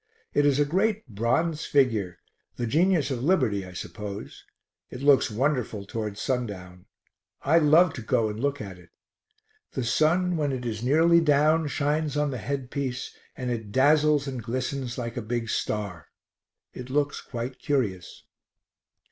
It is a great bronze figure, the Genius of Liberty I suppose. It looks wonderful towards sundown. I love to go and look at it. The sun when it is nearly down shines on the headpiece and it dazzles and glistens like a big star; it looks quite curious.